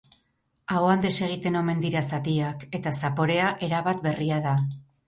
Ahoan desegiten omen dira zatiak eta zaporea erabat berria da.